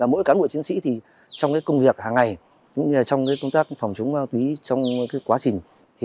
mỗi cán bộ chiến sĩ trong công việc hàng ngày trong công tác phòng trúng ma túy trong quá trình